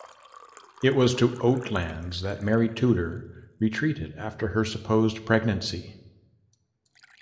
It was to Oatlands that Mary Tudor retreated after her supposed pregnancy.